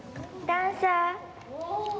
ダンサー？